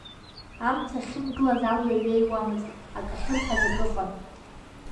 Амца ахьымгылаз алҩа ҩеиуамызт, ак ахьырҳәаз ак ыҟан.